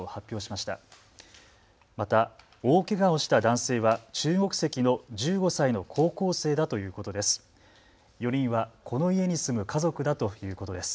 また大けがをした男性は中国籍の１５歳の高校生だということです。